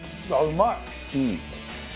うまい。